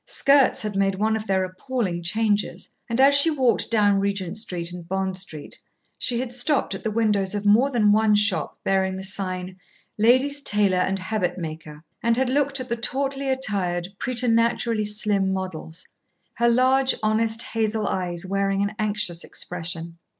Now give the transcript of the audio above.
Skirts had made one of their appalling changes, and as she walked down Regent Street and Bond Street she had stopped at the windows of more than one shop bearing the sign "Ladies' Tailor and Habit Maker," and had looked at the tautly attired, preternaturally slim models, her large, honest hazel eyes wearing an anxious expression.